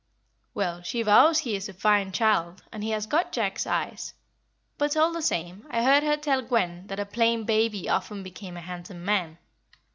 "Well, she vows he is a fine child, and he has got Jack's eyes. But, all the same, I heard her tell Gwen that a plain baby often became a handsome man.